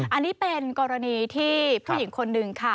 อันนี้เป็นกรณีที่ผู้หญิงคนหนึ่งค่ะ